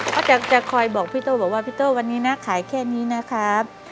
เขาจะคอยบอกพี่โต้บอกว่าพี่โต้วันนี้นะขายแค่นี้นะครับ